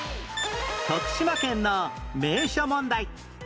徳島県の名所問題